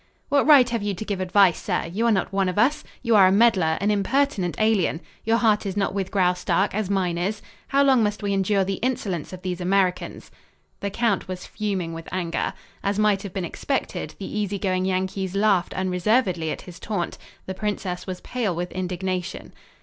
"What right have you to give advice, sir? You are not one of us. You are a meddler an impertinent alien. Your heart is not with Graustark, as mine is. How long must we endure the insolence of these Americans?" The count was fuming with anger. As might have been expected, the easy going Yankees laughed unreservedly at his taunt. The princess was pale with indignation.